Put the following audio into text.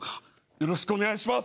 よろしくお願いします。